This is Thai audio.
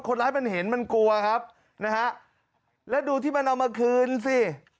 คนร้ายมันเห็นมันกลัวครับนะฮะแล้วดูที่มันเอามาคืนสิ